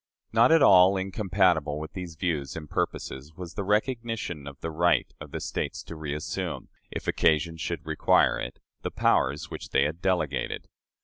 Not at all incompatible with these views and purposes was the recognition of the right of the States to reassume, if occasion should require it, the powers which they had delegated.